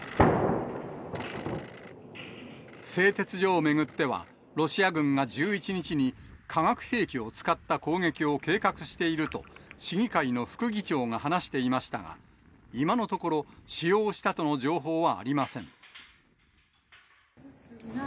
製鉄所を巡っては、ロシア軍が１１日に化学兵器を使った攻撃を計画していると、市議会の副議長が話していましたが、今のところ、使用したとの情報はありません。